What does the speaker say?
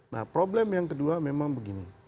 nah problem yang kedua memang begini